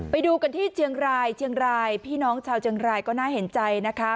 ไปดูกันที่เชียงรายเชียงรายพี่น้องชาวเชียงรายก็น่าเห็นใจนะคะ